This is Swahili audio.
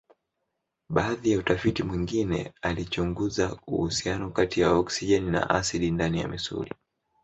Baadhi ya utafiti mwingine alichunguza uhusiano kati ya oksijeni na asidi ndani ya misuli.